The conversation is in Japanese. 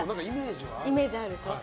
イメージあるでしょ。